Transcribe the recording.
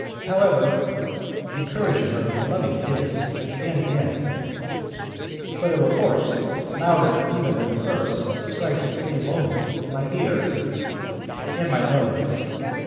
However, encouraging her with a loving kiss, I began again. But, a report, louder even than the first, strikes at the same moment my ear and my nose.